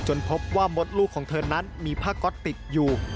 พบว่ามดลูกของเธอนั้นมีผ้าก๊อตติดอยู่